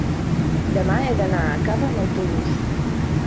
demà he d'anar a Cava amb autobús.